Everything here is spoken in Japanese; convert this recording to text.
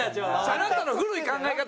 あなたの古い考え方